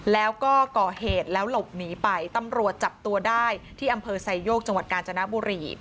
แล้วก็ก่อเหตุแล้วหลบหนีไปตำรวจจับตัวได้ที่อำเภอไซโยกจังหวัดกาญจนบุรี